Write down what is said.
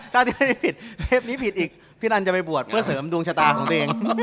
ถ้าเทปนี้ผิดอีกพี่รันจะไปบวชเพื่อเสริมดวงชะตาของตัวเอง